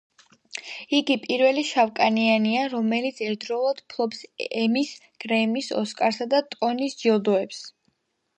იგი პირველი შავკანიანია, რომელიც ერთდროულად ფლობს ემის, გრემის, ოსკარსა და ტონის ჯილდოებს.